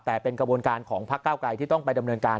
แต่เป็นกระบวนการของพักเก้าไกรที่ต้องไปดำเนินการ